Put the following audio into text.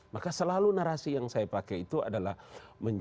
maka selalu narasi yang saya pakai itu adalah